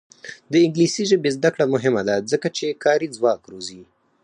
د انګلیسي ژبې زده کړه مهمه ده ځکه چې کاري ځواک روزي.